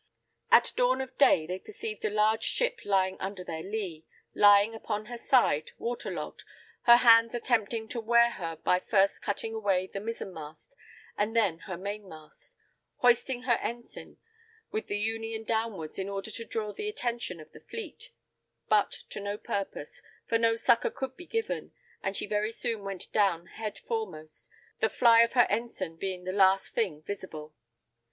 At dawn of day they perceived a large ship lying under their lee, lying upon her side, water logged, her hands attempting to wear her by first cutting away the mizen mast, and then her main mast; hoisting her ensign, with the union downwards in order to draw the attention of the fleet; but to no purpose, for no succour could be given, and she very soon went down head fore most, the fly of her ensign being the last thing visible.